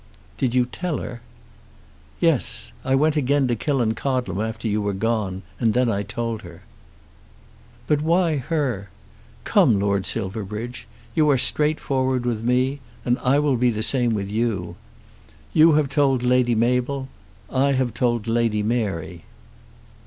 "Did you tell her?" "Yes. I went again to Killancodlem after you were gone, and then I told her." "But why her? Come, Lord Silverbridge. You are straightforward with me, and I will be the same with you. You have told Lady Mabel; I have told Lady Mary."